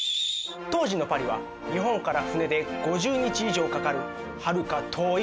当時のパリは日本から船で５０日以上かかるはるか遠い未知の世界。